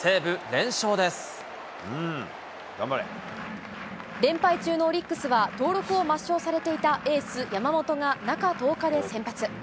連敗中のオリックスは登録を抹消されていたエース、山本が中１０日で先発。